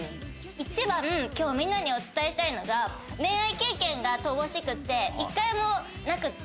一番今日みんなにお伝えしたいのが恋愛経験が乏しくて１回もなくって。